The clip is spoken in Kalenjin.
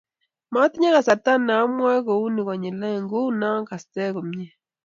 Matinye kasarta ne amwoe kouni konyil aeng nguono kaste komye